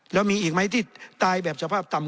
แล้วมีอีกไหมที่ตายแบบสภาพต่ำ